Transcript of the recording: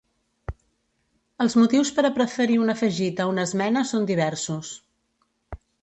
Els motius per a preferir un afegit a una esmena són diversos.